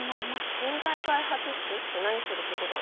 人材開発室って何するとこだろ？